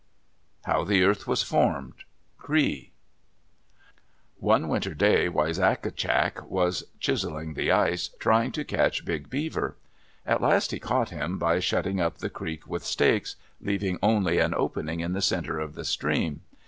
HOW THE EARTH WAS FORMED Cree One winter day Wisagatcak was chiseling the ice, trying to catch Big Beaver. At last he caught him by shutting up the creek with stakes, leaving only an opening in the center of the stream.